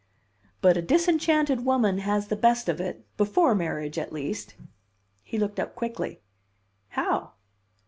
"But a disenchanted woman has the best of it before marriage, at least." He looked up quickly. "How?"